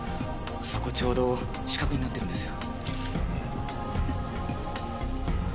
そこちょうど死角になってるんですよ。